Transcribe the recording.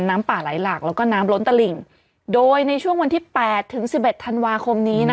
น้ำป่าไหลหลากแล้วก็น้ำล้นตะหลิ่งโดยในช่วงวันที่๘ถึง๑๑ธันวาคมนี้นะคะ